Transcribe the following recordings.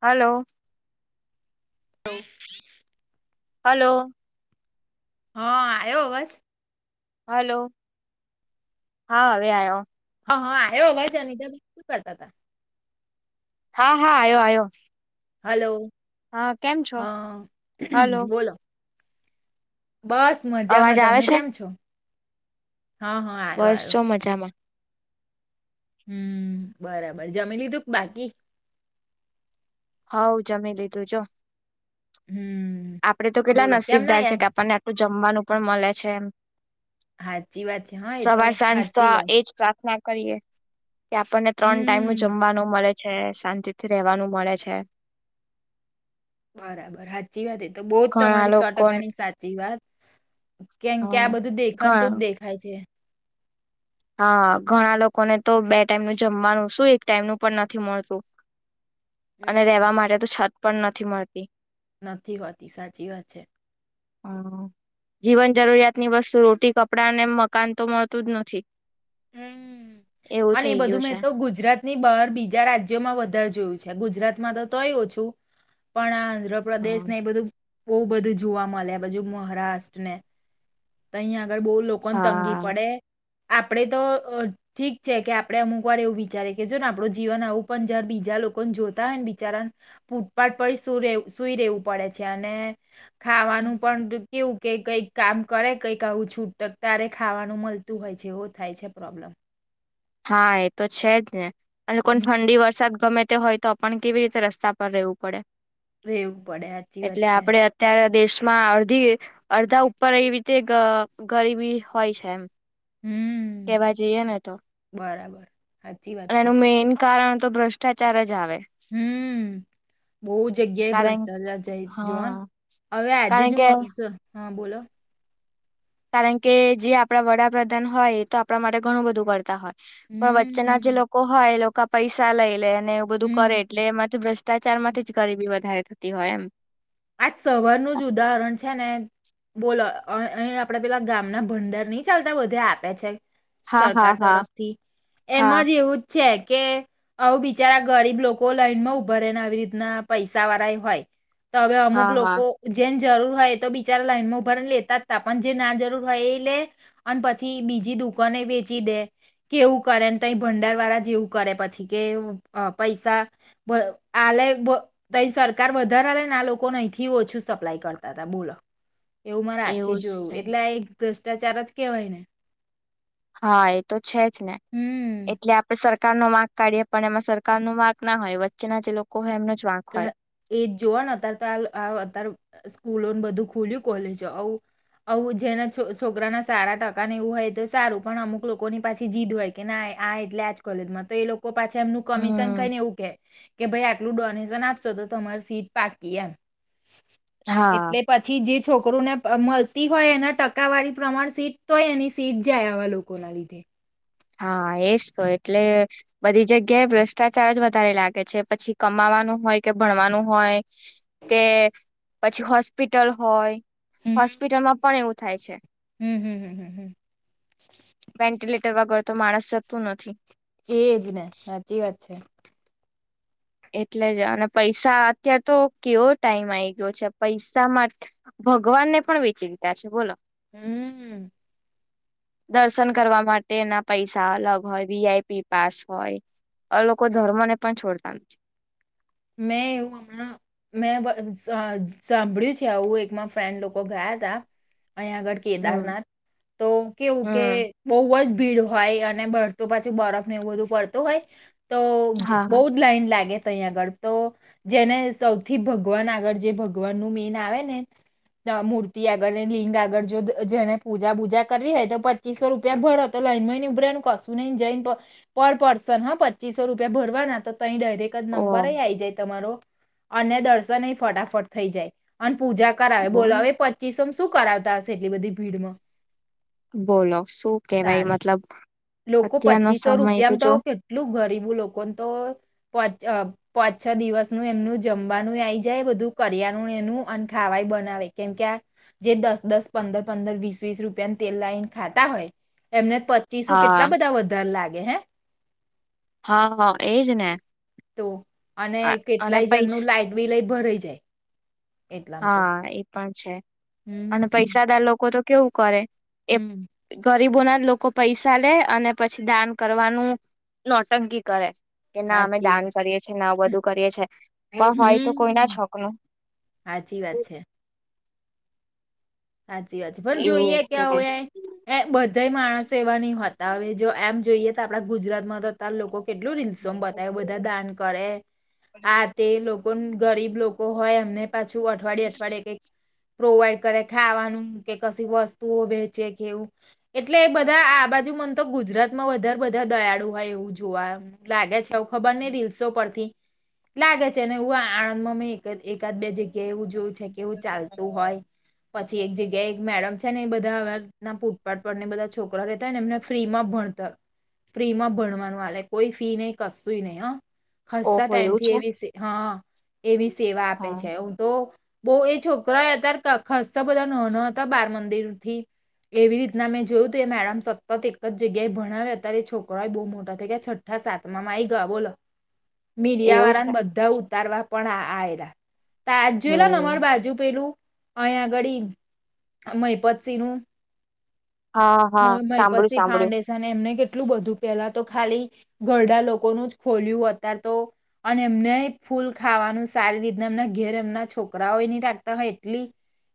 હાલો. તો [unintelligible] હલોો. હા આવ્યો અવાજ. હલો હા હવે આવ્યો. હ હા આવ ભાઈ છે અનીતાબેન શું કરતા હતાા.. હા હા આવ્યો આવ્યો... હલો હા કેમ છો હા હલો બોલો [unintelligible] બસ અવાજ મજામાં આવે તમે છે કેમ છો. હા હા આવ્યો બસ આવ્યો છો મજામાં. હમ બરાબર જમી લીધું કે બાકી હવ જમી લીધું જો હમ આપડે તો કેટલા બોલો કેમ ના નસીબદાર છે યાદ કે આપણને આટલું જમવાનું પણ મળે છે એમ સાચી વાત છે હા એ તો સવાર સાંજ તો સાચી વાત એજ પ્રાર્થના કરીએ કે આપણને ત્રણ ટાઈમ નું હમ જમવાનું મળે છે. છે શાંતિથી રેવાનું મળે છે. બરાબર સાચી વાત એ તો બહુ જ ઘણા તમારી સો લોકો ટકા ની સાચી વાત કેમ કે હા આ બધું દેખાણ તો જ ઘણા દેખાય છે. હા ઘણા લોકોને તો બે ટાઈમ ન જમવાનું શું એક ટાઈમ નું પણ નથી મળતું અને હમ રહેેવા માટે તો છત પણ નથી મળતી. નથી હોતી સાચી વાત છે. હ જીવન જરૂરિયાત ની વસ્તુ રોટી કપડા અને મકાન તો મળતું જ નથી. એવું હમ અને એ થઈ ગયું બધું છે. મેં તો ગુજરાતની બહાર બીજા રાજ્યોમાં વધારે જોયું છે. ગુજરાત માં તો તોય ઓ છું પણ આંધ્રપ્રદેશ હમ ને એ બધું બહુ બધું જોવા મળે બજુ મહારાષ્ટ્ર ને તહીં આગર બહુ લોકો ને તંગી હા. પડે આપડણે તો ઠીક છે કે આપણે અમુક વાર એવું વિચારે કે જો ને આપડું જીવન આવું પણ જયારે બીજા લોકો જોતા હોય ને બિચારા ફૂટપાટ પર સુ સુઈ રેવું પડે છે અને ખાવાનું પણ કેવું કે કઈક કામ કરે કંઈક આવું છૂટક તારે ખાવાનું મળતું હોય છે. થાય છે પ્રોબ્લેમ હા એ તો છે જ ને અને લોકોને હમ ઠંડી વરસાદ ગમે તે હોય તો પણ કેવી રીતે રસ્તા પર રેવું પડે રેવું પડે સાચી વાત એટલે છે આપડે અત્યારે દેશ અડધી અડધા ઉપર એવી રીતે ગરીબી હોય છે એમ હમ કેવા જઈએ ને તો બરાબર સાચી વાત અને છે એનું મેઈન કારણ તો ભ્રષ્ટાચાર જ આવે હમ બહું જગ્યા એ કારણ ભ્રષ્ટાચાર જાય જોવા હા હવે આજે જ કારણ કે હું હા બોલો કારણ કે જે આપણા વડાપ્રધાન હોય તો આપણા માટે ઘણું બધું કરતા હોય પણ વચ્ચેના જે હમ લોકો હોય એ લોકો પૈસા લઈ લે ને એવું બધું કરે હમ એટલે એમાંથી ભ્ર્ટ ભ્રષ્ટાચાર થી જ ગરીબી વધારે થતી હોય એમ આજ સવારનું જ ઉદાહરણ છે ને બોલો અહી આપડે પેલા ગામના ભંડાર નહી ચાલતા બધે આપે છે હા સરકાર હા હા તરફથી એમ હા જ એવું જ છે કે આવું બિચારા ગરીબ લોકો લાઈનમાં ઉભા રે ને આવી રીતના પૈસા વાળા હોય તો હવે અમુક હા હા લોકો જેમ જરૂર હોય એ તો બિચારા લાઈનમાંભર લેતા જ ત પણ જે ના જરૂર હોય એ લે અને પછી બીજી દુકાન વેચી દે કે એવું કરે ને તો ભંડાર વાળા જેવું કરે પછી કે પૈસા [unintelligible] સરકાર વધારા આ લોકો નહીથી ઓછું સપ્લાય કરતા હતા બોલો એવું માર આખે જ જોયું થાય. એટલે ભ્રષ્ટાચાર જ કેવાય ને હા એ તો છે જ ને હમ એટલે આપડે સર સરકાર નો વાક કાઢીએ પણ એમાં સરકાર નો વાક ના હોય વચ્ચેના જે લોકો હોય એમને એજ જોવા અત્યારે તો અતાર સ્કૂલો બધું ખુલ્યું કોલેજ આવું આવું જેના છ છોકરાના સારા ટકા ને એવું હોય તો સારું પણ અમુક લોકોની પાછી જીદ હોય કે ના આ એટલે આજ કોલેજમાં તો એ લોકો પાછા એમનું કમિશન ખ હમ ને એવું કે કે ભાઈ આટલું ડોનેશન આપશો તો તમારી સીટ પાકી એમ. હા એટલે પછી જે છોકરોને મળતી હોય એના ટકાવારી પ્રમાણ સીટ તો હોય એની સીટ જાય આવા લોકો ના લીધે. હા એજ તો, એટલે બધી જગ્યાએ ભ્રષ્ટાચાર જ વધારે લાગે છે પછી કમા નું હોય કે ભણવાનું હોય, કે પછી હોસ્પિટલ હોય હોસ્પિટલમાં પણ એવું થાય છે. હમ્મ હમ્મ હમ હમ્મ હમ્મ. ગળ તો માણસ જતું નથી. એજ ને સાચી વાત છે એટલે જ અને પૈસા અતાર તો કેવો ટાઈમ આવી ગયો છે પૈસા માટે ભગવાન ને પણ વિચરતા છે બોલો હમ્મ. દર્શન કરવા માટે એના પૈસા અલગ હોય, વીઆઈપી પાસ હોય. અ લોકો ધર્મ ને પણ છોડતા નથી. મેં એવું હમણાં મેં સાંભળ્યું છે આવું એકમાં ફ્રેન્ડ લોકો ગયા તા અહીંયા આગળ હમ કેદારનાથ તો કેવું કે હમ બહુ જ ભીડ હોય અને બળતો પછી બરફને એવું બધું પડતો હોય. તો હા બહુ હા જ લાઈન લાગે છે. અહીંયા આગળ. તો જેને સૌથી ભગવાન આગળ જે ભગવાન નું મેન આવે ને મૂર્તિ આગળ લિંગ આગળ જો જેને પૂજા પૂજા કરવી હોય તો પચીસો રૂપિયા ભર તો લાઈન મહિ ઉભી રેવાનુ કશું નહી જઈ પર પર્સન હા પચીસો રૂપિયા ભરવાના. ડરેક જ ઓ નંબર આવી જાય તમારો અને દર્શન ફટાફટ થઈ જાય. પૂજા કરાવે બોલો પચીસોમ શું કરાવતા હશે એટલી બધી ભીડમાં. બોલો શું કેવાય તારે મતલબ લોકો અત્યારનો પચીસો સમય રૂપિયામાં જો તો કેટલું ગરીબ હુ લોકોન તો પાચ છ દિવસ નું એમનું જમવાનું આ જાય બધું કરી. એેનુ નેનુ પણ ખાવાય બનાવે કેમ કે આ જે દસ દસ પંદર પંદર વીસ વીસ રૂપિયા તેલ લાઈન ખાતા હોય એમને પચીસો હા કેટલા બધા વધાર લાગે હે. હા એજ ને તો અને અને કેટલાય પૈસ જણનું લાઈટ બીલ ભરાઈ જાય. જે હા એ પણ છે હમ અને પૈસાદાર લોકો તો કેવું કરે એ હમ ઘર ગરીબો ના જ લોકો પૈસા લે અને પછી દાન કરવાનું નોટંકી કરે. કે ના અમે હાચી દાન વાત કરીએ છીએ ના બધું કરીએ છીએ પણ હોય તો કોઈ ના જ હક નો. સાચી વાત છે. હારી વાત છે પણ એવું જોઈએ કે ભાઈ હ એ બધા માણસો એવા નહી હોતા. અને જો એમ જોઈએ તો આપડા ગુજરાત માંતો અતાર લોકો કેટલું રીસોમા બતાવે બધા દાન કરે આ તે લોકો ગરીબ લોકો હોય એમને પાછું અઠવાડિયે અઠવાડિયે કઈક પ્રોવાઈડ કરે. ખાવાનું કે કશીક વસ્તુઓ વેચે કેવું એટલે એ બધા આ બાજુ મને તો ગુજરાત માં વધારે બધા દયાળુ હોય એવું જોવા લાગે છે એવું ખબર નહી રીલ્સો પરથી. લાગે છે અને એવું આણંદમાં મેં એક એકાદ બે જગ્યા કે એવું જોયું છે કે એવું ચાલતું હોય પછી એક જગ્યાએ એક મેડમ‌ ને એ બધા ના ફૂટપાટ પર ને બધા છોકરા રહેતા ને એમને ફ્રી માં ભણતર ફ્રી માં ભણવાનું વાલે કોઈ ફી નહી કશું નહી હ હસતા ઓહો એવું ટાઈમથી છે એવી હા એવી સેવા આપે હા છે હું તો બહુ એ છોકરા અત્યારે ખસતા બધા ન ના હતા બાર મંદિરથી એવી રીતના મેં જોયું તું એ મેડમ સતત એક જગ્યાએ ભણાવે અત્યારે છોકરાય બહુ મોટા થયા કે છઠ્ઠા સાતવામા આઈ ગયા બોલો. [inaudible] મીડિયા એવું છે વાળાને બધા ઉતારવા પણ આવેલા. તાજ જોયેલાને હમ અમારા બાજુ પેલું. અહીં આગડી મહીપત સિંહ નું હા હા મિહીપત સાંભળ્યું સાંભળ્યું ફાઉન્ડેશન એમને કેટ એટલું બધું પેલા તો ખાલી ઘરડા લોકોનું જ ખોલ્યું અતાર તો અને એમને ફૂલ ખાવાનું સારી રીતના એમના ઘેર એમના છોકરાઓ નહીં લાગતા હોય એટલી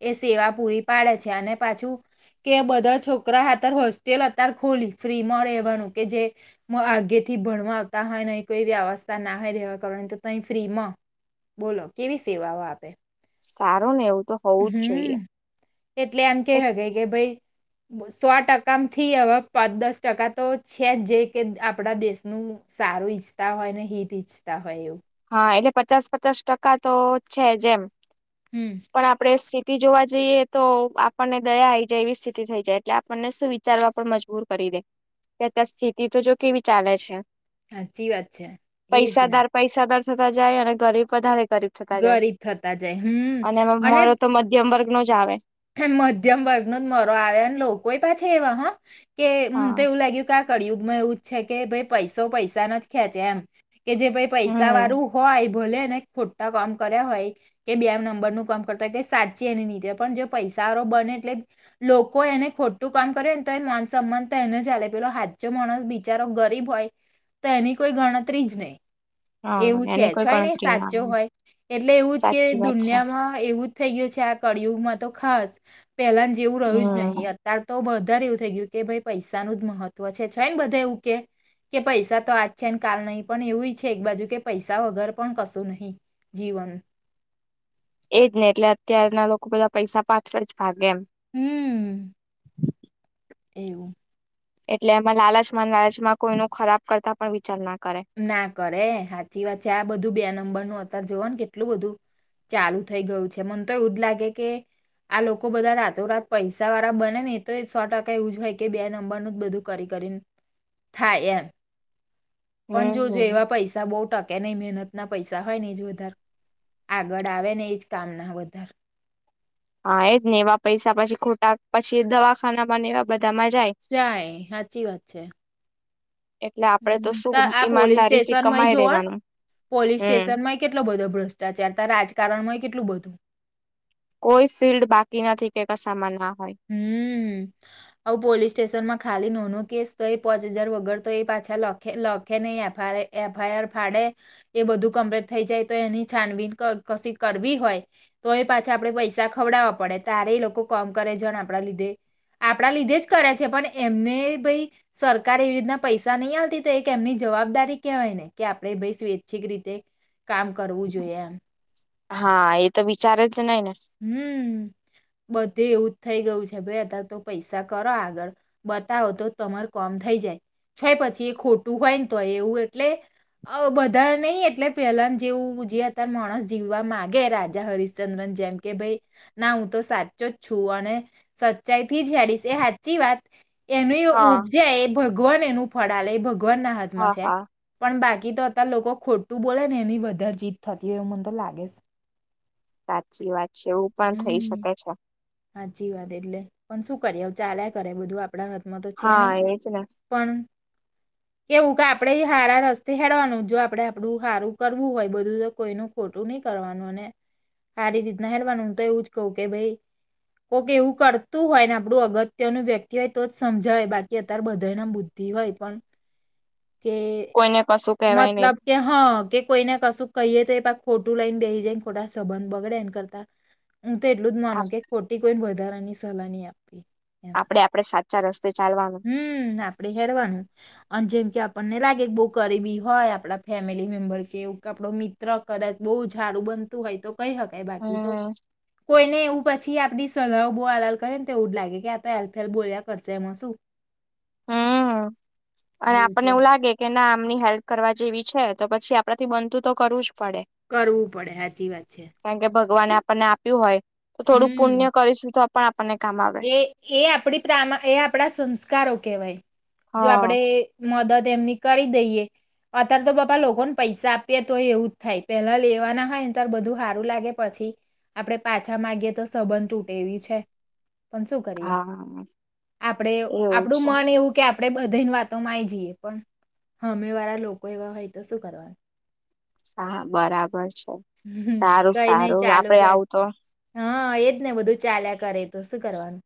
એ સેવા પૂરી પાડે છે, અને પાછું કે બધા છોકરા અતાર હોસ્ટેલ અત્યારે ખુલી ફ્રી માં રહેવાનું કે જે આગે થી ભણવા આવતા હોય, ન કોઈ વ્યવસ્થ ના હોય. એવા કરવાની તો તે ફ્રીમાં બોલો કેવી સેવાઓ આપે. સારું ને એવું તો હોવું જ હમ્મ, જોઈએ એટલે આમ કે હગ કે ભાઈ સો ટકાથી હવે પાચ દસ ટકા તો છે જ જે કે આપણા દેશનું સારું ઈચ્છતા હોય ને હિત ઈચ્છતા હોય એવું. હા એટલે પચાસ પચાસ ટકા તો છે જે એમ હમ પણ આપણેે સી ટી જોવા જઈએ તો આપણને દયા આઈ જાય એવી સ્થિતિ થઈ જાય, એટલે આપણને શું વિચારવા પણ મજબૂર કરી તે તયા તો સ્થિતિ તો જો કેવી ચાલે છે. સાચી વાત છે એજ ને પૈસાદાર પૈસાદાર થતા જાય અને ગરીબ વધારે ગરીબ થતા જાય ગરીબ થતા જાય. હમ્મ. અને એમાં મારો તો મધ્યમ વર્ગ નો જ આવે. મધ્યમ વર્ગ નો જ મરો આવે અને લોકો એ પાછી એવા હ કે મને હા તો એવું લાગ્યું કે કળિયુગમાં એવું જ છે કે ભાઈ પૈસો પૈસા ને ખેંચે એમ કે જે ભાઈ પૈસા હમ વાળું હોય ભલે ને ખોટા કામ કર્યા હોય કે બે નંબર નું કામ કરતા હોય કે સાચી એની નીચે પણ જે પૈસારો બને એટલે લોકો એને ખોટું કામ કરે તો એ માન સમાન તો એને ચાલે પેલો હા ચો માણસ બિચારો ગરીબ હોય, તો એની કોઈ ગણતરી જ નહી. હા એવું એની છે કોઈ છે ને હોય ને ગણતરી ના સાચો આવે હોય એટલે એવું જ કે સાચી વાત છે દુનિયામાં એવું. થઈ ગયું છે આ કળિયુગમાં તો ખાસ પહેલા જેવું રહ્યું જ હમ નહીં અત્યાર તો બ ધારે એવું થઇ ગયું કે ભાઈ પૈસાનું જ મહત્વ છે, ને બધા એવું કે કે પૈસા તો આજ છે ને કાલ નહી પણ એવું છે એક બાજુ કે પૈસા વગર પણ કશું નહીં જી વન એજ ને એટલે અત્યારના લોકો બધા પૈસા પાછળ જ ભાગે એમ હમ એવું એટલે એમાં લાલચમાં લાલચમાં કોઈનો ખરાબ કરતા પણ વિચાર ના કરે ના કરે હાચી વાત છે, આ બધું બે નંબર નું અતાર જોવા ને કેટલું બધું ચાલુ થઈ ગયું છે, મને તો એવું જ લાગે કે આ લોકો બધા રાતો રાત પૈસા વાળા બને ને એ તો સો ટકા એવું જ હોય કે બે નંબરનું જ બધું કરી કરી થાય એમ પણ જોજે હમ એવા પૈસા બોવ ટકે નય મહેનત ના પૈસા હોય ને એ જ વધારે આગળ આવે ને એજ કામ ના વધા હા એ જ ને એવા પૈસા પછી ખોટા પછી દવાખાનામાં નેવા બ જાય સાચી વાત છે. એટલે આપડે તો હ શું આ પોલીસ ઈમાનદારી થી સ્ટેશનમાંય કમાઈ જોવો રેવાનું પોલીસ હમ. સ્ટેશન માં કેટલો બધો ભ્રષ્ટાચાર ત રાજકારણમાં કેટલું બધું કોઈ ફિલ્ડ બાકી નથી કે કસામા ના હોય. હમ્મ, આવું પોલીસ સ્ટેશન માં ખાલી ન કેસ તો એ પાંચ હજાર વગર તો એ પાછા લખે લખે નહી એફા એસા આઈ આર ફાડે એ બધું કમ્પ્લેટ થઈ જાય તો એની છાનબીન કશી કરવી હોય તો એ પાછા આપડે પૈસા ખ વડાવવા પડે તારે એ લોકો કોમ કરે જણ આપણા લીધે. આપણા લીધે જ કરે છે પણ એમને ભાઈ સરકાર એવી રીતના પૈસા નહીં આવતી ત એક એમની જવાબદારી કેહેવાય ને કે આપડે ભાઈ સ્વૈચ્છિક રીતે કામ કરવું જોઈએ એમ હા, એ તો વિચારે જ નઈ ને. હમ્મ. બધે એવુંજ થઈ ગયું છે ભાઈ અત્યારે તો પૈસા કરો આગળ, બતાવો તો તમાર કોમ થઈ જાય છેય પછી એ ખોટું હોય ને તોય એવું એટલે આવ બધા નય, એટલે પેલા જેવું જે અત્યારે માણસ જીવવા માંગે રાજા હરશ્ચંદ્રની જેમ કે ભાઈ ના હું તો સાચો જ છું અને સચ્ચાઈ થી જ હેડીશ, એ સાચી વાત એનું હા ઉપજાય એ ભગવાન એનું ફળા લે એ ભગવાન ના હાથમાં હા છે હા પણ બા કી તો અત્યારે લોકો ખોટું બોલે ને એની વધારે જીત થતી હોય એવું મને તો લાગે સે. સાચી વાત છે, એવું પણ થઈ શકે છે. સાચી વાત એટલે, પણ શું કરીએ ચાલયા કરે બધું આપ આપડા હાથમાં તો છે હા નઈ, એજ ને પણ કેવું કે આપડે હારા રસ્તે હેડવાનું જો આપડે આપડું હારું કરવું હોય બધું, તો કોઈ નું ખોટું નય કરવાનું અને હારી રીતના હેડવાનું હું તો એવુંજ કહું કે ભાઈ કોઈક એવું કરતું હોય ને આપડું અગત્યનું વ્યક્તિ હોય તો જ સમજાવે, બાકી અત્યારે બધાના બુધ દ્વિ હોય પણ કે કોઈને કશું કેહેવાય નહી મતલબ કે હા, કે કોઈને કશું કહીએ તો એ પાછ ખોટું લઈન બેહી જાયને ખોટા સંબંધ બગડે એન કરતા, હું તો એટલુંજ માનું કે ખોટી કોઈને વધારાની સલાહની આપ ની એમ. આપડે આપડે સાચા રસ્તે ચાલવાનું. હમ્મ, આપડે હેડવાનું અને જેમ કે આપણને લાગે બહુ ગરીબી હોય આપડા ફેમિલી મેમ્બર કેવુ, આપડો મિત્ર કદાચ બોવ જ હારુ બ બનતું હોય, તો કહી હકાય બાકી તો હમ કોઈને એવું પ થી આપડી સલાહ બો આલ આલ કરે ને, તો એવું જ લાગે કે આતો એલફેલ બોલ્યા કરશે, એમાં શું. હા અને આપણને એવું લાગે કે ના આમની હેલ્પ કરવા જેવી છે, તો પછી આપડા થી બનતું તો કરવુંજ પડે, કરવું પડે સાચી વાત છે કારણકે ભગવાને આપણને આપ્યું હોય, તો થોડું પુણ્ય હમ કરીશું તો પણ આપણને કામ આવે. એ એ આપડી પ્રામાં, એ આપડા સંસ્કારો કેહેવાય જો હા આપડે મદદ એમની કરી દઈએ અત્યારે તો બાપા લોકોને પૈસા આપીએ તોય એવું જ થાય, પેલા લેવાના હોય ને ત્યારે બધું હારું લાગે પછી આપડે પાછા માંગીએ તો સંબંધ તૂટે એવી છે. પણ શું કરીએ હા આપડે, એવું આપડું છે મન એવું કે આપડે બધાની વાતોમાંય જઈએ, પણ હામે વાળા લોકો એવા હોય તો શું કરવાનું હા, બરાબર છે. સારું કઈ નઈ સારું ચાલુ આપડે ગ આવું તો હા, એજ ને બધું ચાલ્યા કરે, તો શું કરવાનું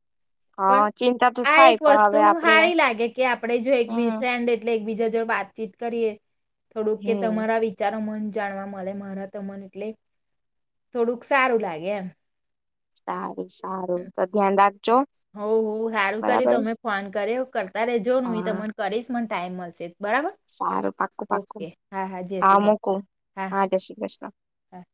પણ હા ચિંતા તો આ થાય એક પણ વસ્તુ હવે આપડે હારી લાગે કે આપડ જો એકીબીજ હમ ફ્રેન્ડ, એટલે એક બીજા જોડે વાતચીત કરીએ થોડુંક, કે હમ તમારા વિચારો મને જાણવા મળે ને મારા મનને એટલે થોડુંક સારું લાગે એમ સારું સારું તો ધ્યાન રાખજો હોવ, હોવ, હારું કર્યું બરાબર તમે ફોન કર્યો કરતા રેહજો, હું એ હા તમને કરીશ, મને ટાઈમ મળશે બરાબર, સારું પાક્કું પાક્કું ઓકે, હા, હા, જય શ્રી કૃષ્ણ! હા. જય શ્રી કૃષ્ણ. હા.